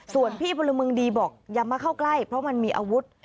ส่วนพี่พลเมืองดีบอกอย่ามาเข้าใกล้เพราะมันมีอาวุธ